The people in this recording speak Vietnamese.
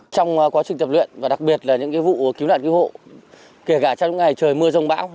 trong quá trình tập luyện và đặc biệt là những vụ cứu nạn cứu hộ